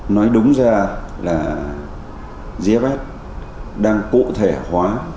nói đúng ra là gfs đang cụ thể hóa